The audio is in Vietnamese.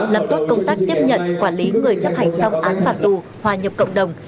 làm tốt công tác tiếp nhận quản lý người chấp hành xong án phạt tù hòa nhập cộng đồng